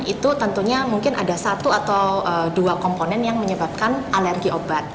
itu tentunya mungkin ada satu atau dua komponen yang menyebabkan alergi obat